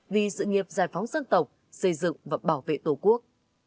vì sự nghiệp giải phóng dân tộc xây dựng và bảo vệ tổ quốc